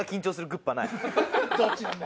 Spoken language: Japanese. どっちなんだ！